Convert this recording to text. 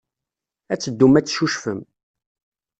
Ad teddum ad teccucfem.